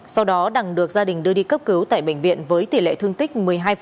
sau đó đằng được gia đình đưa đi cấp cứu tại bệnh viện với tỷ lệ thương tích một mươi hai